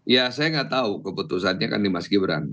ya saya nggak tahu keputusannya kan di mas gibran